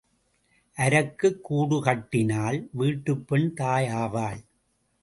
அரக்குக் கூடு கட்டினால் வீட்டுப் பெண் தாய் ஆவாள்.